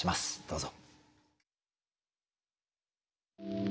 どうぞ。